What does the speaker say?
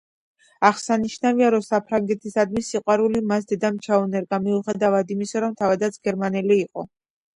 აღსანიშნავია, რომ საფრანგეთისადმი სიყვარული მას დედამ ჩაუნერგა, მიუხედავად იმისა, რომ თავადაც გერმანელი იყო.